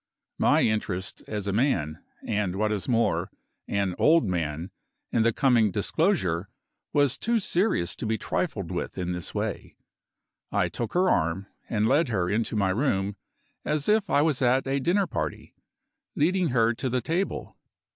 My interest as a man (and, what is more, an old man) in the coming disclosure was too serious to be trifled with in this way. I took her arm, and led her into my room as if I was at a dinner party, leading her to the table.